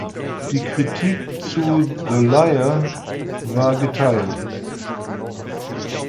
Die Kritik zu "The Liar" war geteilt.